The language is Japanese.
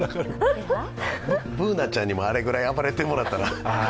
Ｂｏｏｎａちゃんにもあれぐらい暴れてもらったら。